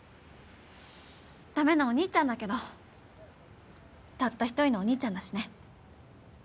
駄目なお兄ちゃんだけどたった一人のお兄ちゃんだしね